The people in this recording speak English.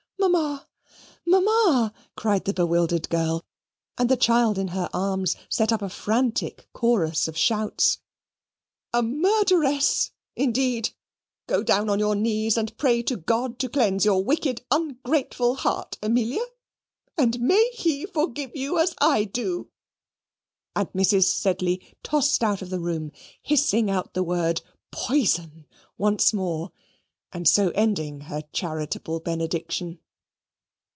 "Mamma, Mamma!" cried the bewildered girl; and the child in her arms set up a frantic chorus of shouts. "A murderess, indeed! Go down on your knees and pray to God to cleanse your wicked ungrateful heart, Amelia, and may He forgive you as I do." And Mrs. Sedley tossed out of the room, hissing out the word poison once more, and so ending her charitable benediction.